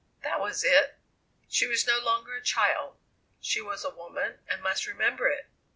That was it! She was no longer a child. She was a woman and must remember it.